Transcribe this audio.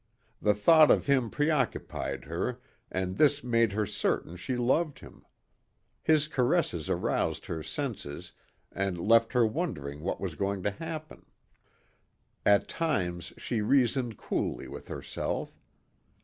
The thought of him preoccupied her and this made her certain she loved him. His caresses aroused her senses and left her wondering what was going to happen. At times she reasoned coolly with herself.